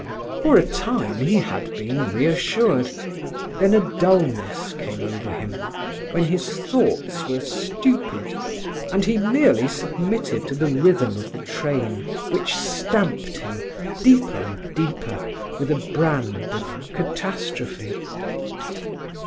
For a time he had been reassured; then a dullness came over him, when his thoughts were stupid, and he merely submitted to the rhythm of the train, which stamped him deeper and deeper with a brand of catastrophe.